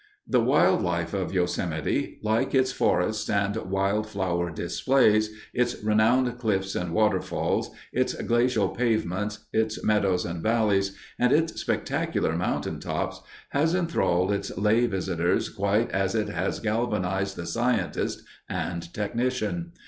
The wildlife of Yosemite, like its forests and wildflower displays, its renowned cliffs and waterfalls, its glacial pavements, its meadows and valleys, and its spectacular mountaintops, has enthralled its lay visitors quite as it has galvanized the scientist and technician.